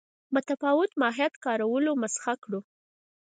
متفاوت ماهیت کارولو مسخه کړو.